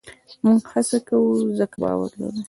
موږ هڅه کوو؛ ځکه باور لرو.